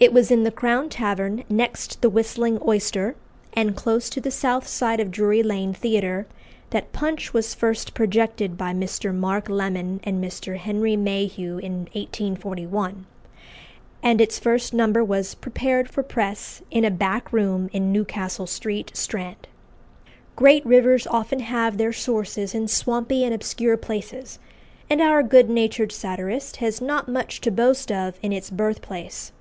It was in the Crown Tavern, next the Whistling Oyster, and close to the south side of Drury Lane Theatre, that Punch was first projected by Mr. Mark Lemon and Mr. Henry Mayhew in 1841; and its first number was "prepared for press" in a back room in Newcastle Street, Strand. Great rivers often have their sources in swampy and obscure places, and our good natured satirist has not much to boast of in its birthplace.